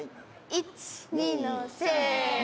１２のせの。